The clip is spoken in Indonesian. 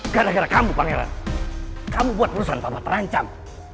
gara gara kamu pangeran kamu buat perusahaan tanpa terancam